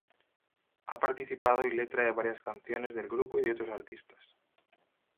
Ha participado y letra de varias canciones del grupo y de otros artistas.